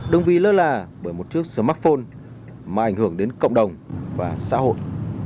đồng vi lơ là bởi một chiếc smartphone mà ảnh hưởng đến cộng đồng và xã hội